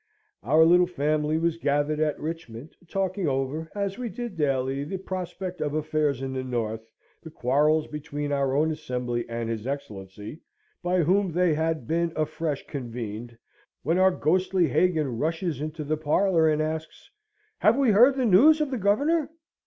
Our little family was gathered at Richmond, talking over, as we did daily, the prospect of affairs in the north, the quarrels between our own Assembly and his Excellency, by whom they had been afresh convened, when our ghostly Hagan rushes into our parlour, and asks, "Have we heard the news of the Governor?"